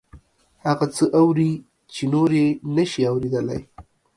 هغه څه اوري چې نور یې نشي اوریدلی